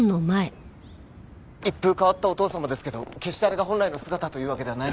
一風変わったお義父様ですけど決してあれが本来の姿というわけではないので。